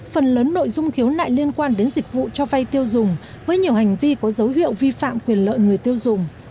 phần lớn nội dung khiếu nại liên quan đến dịch vụ cho vay tiêu dùng với nhiều hành vi có dấu hiệu vi phạm quyền lợi người tiêu dùng